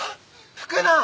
吹くな！